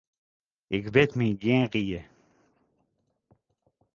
Ik wit my gjin rie.